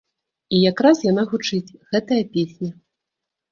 І якраз яна гучыць, гэтая песня!